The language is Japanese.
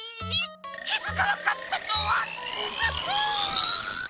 きづかなかったとはンヅフッ！